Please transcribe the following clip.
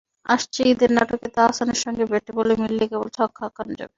আসছে ঈদের নাটকে তাহসানের সঙ্গে ব্যাটে-বলে মিললেই কেবল ছক্কা হাঁকানো যাবে।